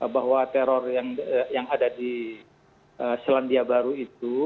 bahwa teror yang ada di selandia baru itu